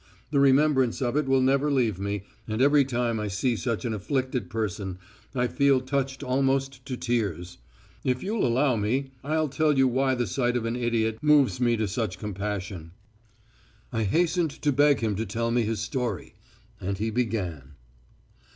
The remembrance of it will never leave me, and every time I see such an afflicted person I feel touched almost to tears.... If you'll allow me, I'll tell you why the sight of an idiot moves me to such compassion." I hastened to beg him to tell his story, and he began.